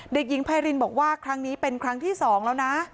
เด็กหญิงไพรินบอกว่าครั้งนี้เป็นครั้งที่๒แล้วนะ